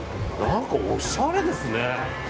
何かおしゃれですね。